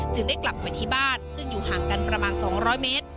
ได้กลับไปที่บ้านซึ่งอยู่ห่างกันประมาณ๒๐๐เมตร